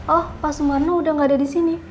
oh pak sumarno udah gak ada disini